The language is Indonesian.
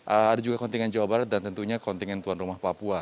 ada juga kontingen jawa barat dan tentunya kontingen tuan rumah papua